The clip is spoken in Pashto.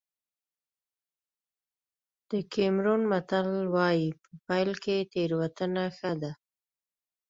د کېمرون متل وایي په پيل کې تېروتنه ښه ده.